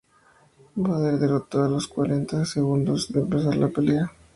Bader lo derrotó a los cuarenta segundos de empezar la pelea.